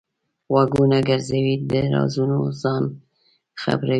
غوږونه ګرځوي؛ د رازونو ځان خبروي.